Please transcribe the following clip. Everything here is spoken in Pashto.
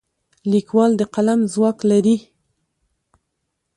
لیکوال د قلم ځواک لري.